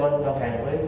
do thỏa thuận giữa